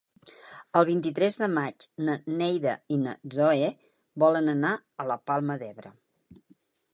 El vint-i-tres de maig na Neida i na Zoè volen anar a la Palma d'Ebre.